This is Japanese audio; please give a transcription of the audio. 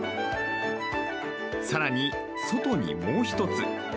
さらに、外にもう１つ。